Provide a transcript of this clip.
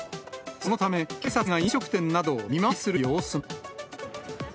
そのため、警察が飲食店などを見回りする様子も。